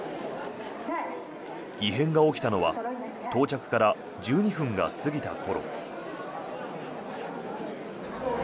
異変が起きたのは到着から１２分が過ぎた頃。